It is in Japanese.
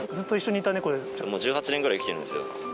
１８年くらい生きてるんです